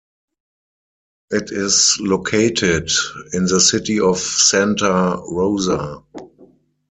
It is located in the City of Santa Rosa.